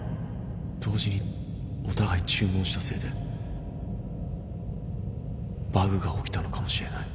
同時にお互い注文したせいでバグが起きたのかもしれない。